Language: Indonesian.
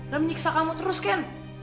dan menyiksa kamu terus ken